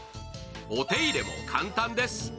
お手入れも簡単です。